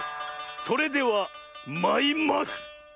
それではまいます！